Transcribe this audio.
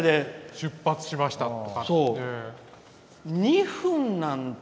「出発しました」って。